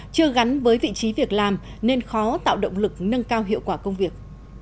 chưa gắn với vị trí việc làm nên khó tạo động lực nâng cao hiệu quả công việc